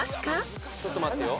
ちょっと待ってよ。